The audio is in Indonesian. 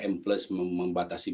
tiga m plus membatasi mobilitas kita